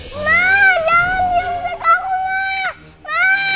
ma jangan cintik aku ma